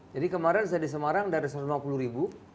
jadi kemarin saya di semarang dari satu ratus lima puluh ribu